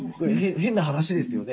変な話ですよね。